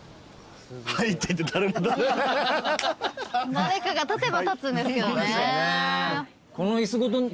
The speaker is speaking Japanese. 誰かが立てば立つんですけどね。